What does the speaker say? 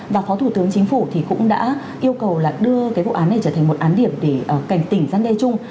và phó thủ tướng chính phủ thì cũng đã yêu cầu là đưa cái vụ án này trở thành một án điểm để cảnh tỉnh gian đe chung